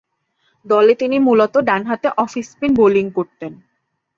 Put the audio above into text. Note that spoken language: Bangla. দলে তিনি মূলতঃ ডানহাতে অফ স্পিন বোলিং করতেন।